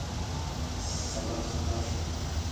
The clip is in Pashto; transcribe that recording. سبا سهار شو.